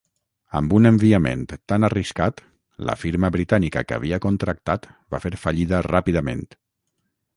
Amb un enviament tan arriscat, la firma britànica que havia contractat va fer fallida ràpidament.